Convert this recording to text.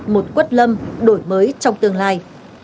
một quất lâm đổi mới trong tương lai